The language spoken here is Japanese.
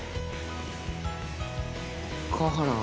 川原